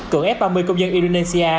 cưỡng f ba mươi công dân indonesia